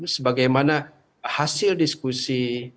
sebagaimana hasil diskusi